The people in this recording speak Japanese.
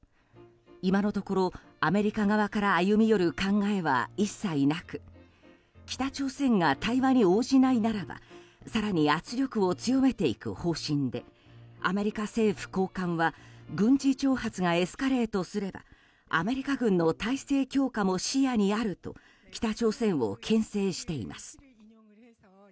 今のところ、アメリカ側から歩み寄る考えは一切なく北朝鮮が対話に応じないならば更に圧力を強めていく方針でアメリカ政府高官は軍事挑発がエスカレートすればアメリカ軍の態勢強化も視野にあると北朝鮮を牽制しています。